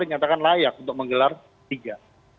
dinyatakan layak untuk menggelar tiga